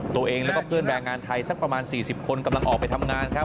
ตัวเองแล้วก็เพื่อนแรงงานไทยสักประมาณ๔๐คนกำลังออกไปทำงานครับ